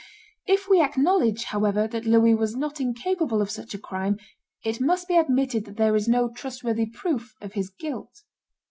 If we acknowledge, however, that Louis was not incapable of such a crime, it must be admitted that there is no trust worthy proof of his guilt.